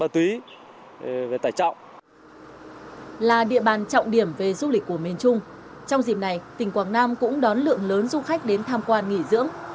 trong dịp này tỉnh quảng nam cũng đón lượng lớn du khách đến tham quan nghỉ dưỡng